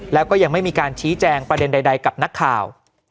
แล้วก็ยังไม่มีการชี้แจงประเด็นใดกับนักข่าว